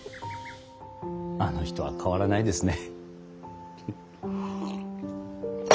あの人は変わらないですね。